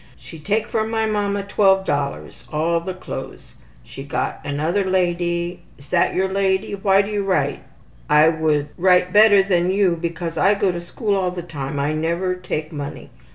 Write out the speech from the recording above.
She take from my mama $12 all the clothes. She got another lady. Is that your lady? Why do you write? I could write better than you because I go to school all the time. I never take money.